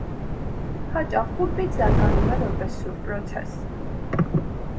Հաճախ պուլպիտ զարգանում է որպես սուր պրոցես։